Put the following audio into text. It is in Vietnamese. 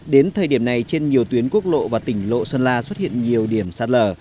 đến thời điểm này trên nhiều tuyến quốc lộ và tỉnh lộ sơn la xuất hiện nhiều điểm sạt lở